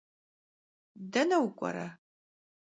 Dene vuk'uere?